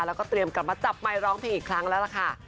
แล้วก็เตรียมกลับมาจับไมค์ร้องเพลงอีกครั้งแล้วล่ะค่ะ